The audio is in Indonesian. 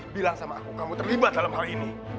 bilang sama aku kamu terlibat dalam hal ini